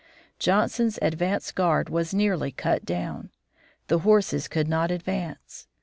Johnson's advance guard was nearly cut down. The horses could not advance.